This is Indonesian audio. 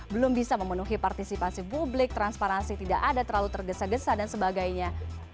belum bisa memenuhi partisipasi publik transparansi tidak ada terlalu tergesa gesa dan sebagainya